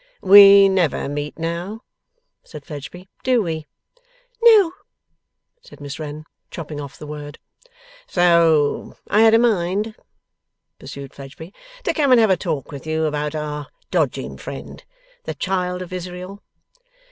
'We never meet now,' said Fledgeby; 'do we?' 'No,' said Miss Wren, chopping off the word. 'So I had a mind,' pursued Fledgeby, 'to come and have a talk with you about our dodging friend, the child of Israel.